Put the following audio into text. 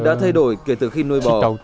đã thay đổi kể từ khi nuôi bò